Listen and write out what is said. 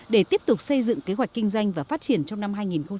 để tiếp tục xây dựng kế hoạch kinh doanh và phát triển trong năm hai nghìn hai mươi